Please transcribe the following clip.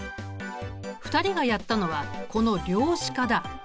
２人がやったのはこの量子化だ。